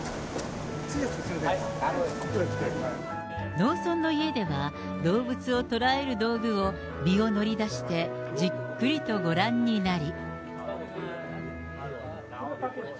農村の家では、動物を捕らえる道具を身を乗り出してじっくりとご覧になり。